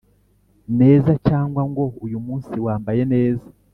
neza cyangwa ngo uyu munsi wambaye neza